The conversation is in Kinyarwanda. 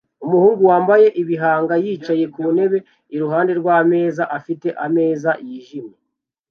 Umuhungu wambaye igihanga yicaye ku ntebe iruhande rw'ameza afite ameza yijimye